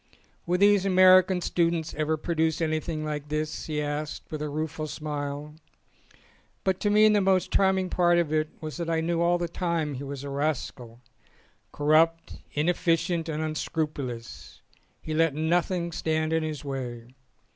"Will these American students ever produce anything like this ?" he asked with a rueful smile. But to me the most charming part of it was that I knew all the time that he was a rascal. Corrupt, inefficient, and unscrupulous, he let nothing stand in his way.